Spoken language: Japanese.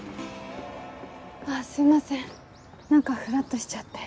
あっすいません何かふらっとしちゃって。